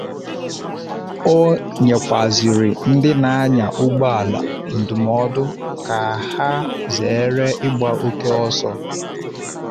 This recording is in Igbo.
O nyekwazịrị ndị na-anyà ụgbọala ndụmọdụ ka ha zèéré ịgba oke ọsọ